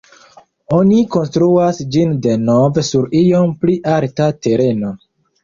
Oni konstruas ĝin denove sur iom pli alta tereno.